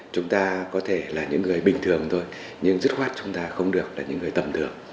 chúng ta có thể là những người bình thường thôi nhưng dứt khoát chúng ta không được là những người tầm thường